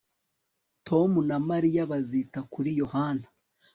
Tom na Mariya bazita kuri Yohana